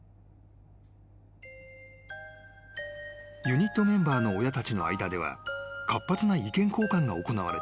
［ユニットメンバーの親たちの間では活発な意見交換が行われていた］